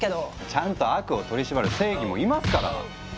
ちゃんと悪を取り締まる正義もいますから。